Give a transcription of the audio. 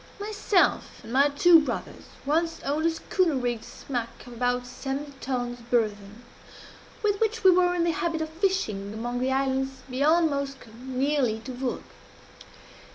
"Myself and my two brothers once owned a schooner rigged smack of about seventy tons burden, with which we were in the habit of fishing among the islands beyond Moskoe, nearly to Vurrgh.